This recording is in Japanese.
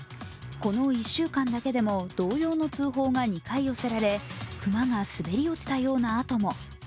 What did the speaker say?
この１週間だけでも同様の通報が２回寄せられ熊が滑り落ちたような跡も。